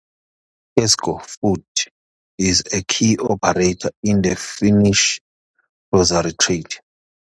Kesko Food is a key operator in the Finnish grocery trade.